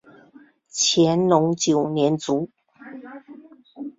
乾隆九年卒。